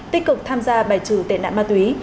tích cực tham gia bài trừ tệ nạn ma túy